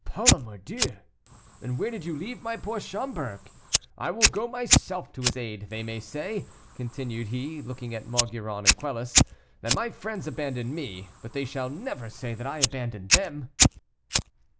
"Par la mordieu! and where did you leave my poor Schomberg? I will go myself to his aid. They may say," continued he, looking at Maugiron and Quelus, "that my friends abandon me, but they shall never say that I abandon them."